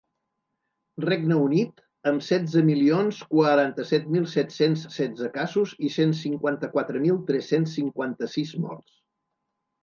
Regne Unit, amb setze milions quaranta-set mil set-cents setze casos i cent cinquanta-quatre mil tres-cents cinquanta-sis morts.